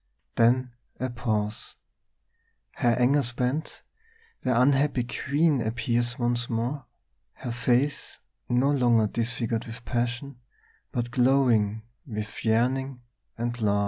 Then a pause; her anger spent, the unhappy queen appears once more, her face no longer disfigured with passion, but glowing with yearning and love.